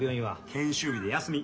研修日で休み。